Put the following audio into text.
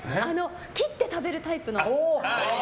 切って食べるタイプの。